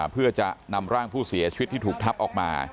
เพื่อจะนำร่างผู้เสียชีวิตที่ถูกทับออกมา